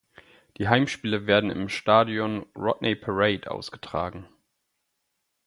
Die Heimspiele werden im Stadion Rodney Parade ausgetragen.